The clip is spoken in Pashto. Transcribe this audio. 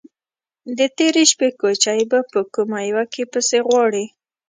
_د تېرې شپې کوچی به په کومه يوه کې پسې غواړې؟